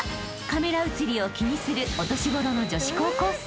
［カメラ映りを気にするお年頃の女子高校生］